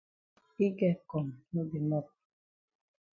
Yi get kong no be mop.